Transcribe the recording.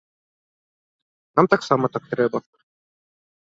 Нам таксама так трэба.